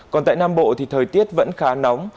còn tại nam bộ thì thời tiết vẫn khá nóng